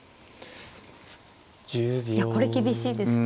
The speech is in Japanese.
いやこれ厳しいですね。